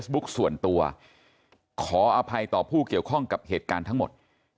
ส่วนตัวขออภัยต่อผู้เกี่ยวข้องกับเหตุการณ์ทั้งหมด